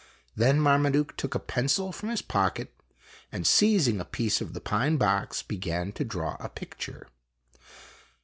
Then Marmaduke took a pencil from his pocket, and seizing a piece of the pine box, began to draw a picture.